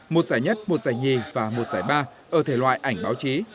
một giải nhất một giải nhì và một giải ba ở thể loại ảnh báo chí